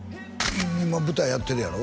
今舞台やってるやろ？